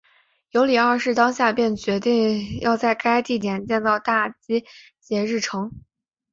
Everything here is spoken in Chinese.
尤里二世当下便决定要在该地点建造大基捷日城。